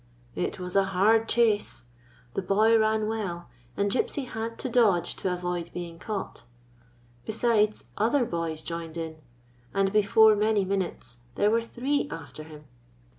It was a hard chase. The boy ran well, and Gypsy had to dodge to avoid being caught. Besides, other boys joined in, and before many minutes there were three after him.